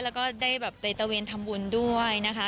แล้วก็ได้แบบไปตะเวนทำบุญด้วยนะคะ